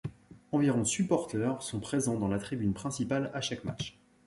Environ supporteurs sont présents dans la tribune principale à chaque match.